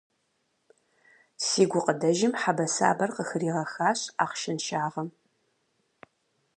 Си гукъыдэжым хьэбэсабэр къыхригъэхащ ахъшэншагъэм.